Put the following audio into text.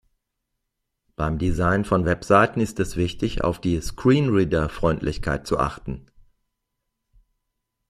Beim Design von Webseiten ist es wichtig, auf die Screenreader-Freundlichkeit zu achten.